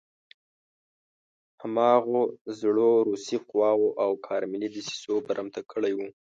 هماغو زړو روسي قواوو او کارملي دسیسو برمته کړی وي.